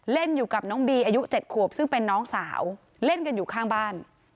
เล่นอยู่กับน้องบีอายุ๗ขวบซึ่งเป็นน้องสาวเล่นกันอยู่ข้างบ้าน